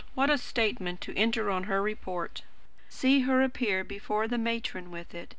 What a statement to enter on her report! See her appear before the matron with it!